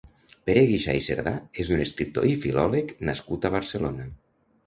Pere Guixà i Cerdà és un escriptor i filòleg nascut a Barcelona.